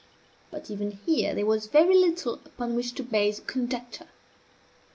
But even here there was very little upon which to base a conjecture.